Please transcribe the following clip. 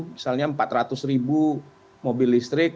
misalnya empat ratus ribu mobil listrik